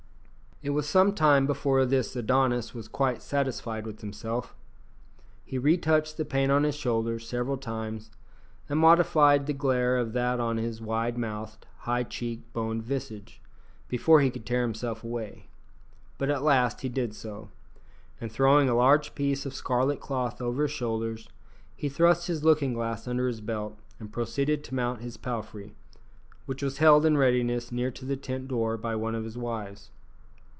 It was some time before this Adonis was quite satisfied with himself. He retouched the paint on his shoulders several times, and modified the glare of that on his wide mouthed, high cheek boned visage, before he could tear himself away; but at last he did so, and throwing a large piece of scarlet cloth over his shoulders, he thrust his looking glass under his belt, and proceeded to mount his palfrey, which was held in readiness near to the tent door by one of his wives.